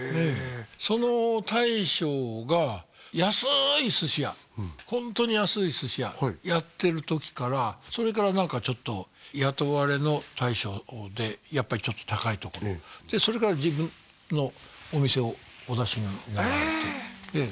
その大将が安い寿司屋ホントに安い寿司屋やってる時からそれから何かちょっと雇われの大将でやっぱりちょっと高いところでそれから自分のお店をお出しになってへえええ